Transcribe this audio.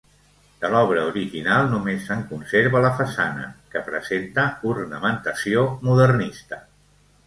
De l'obra original només se'n conserva la façana, que presenta ornamentació modernista.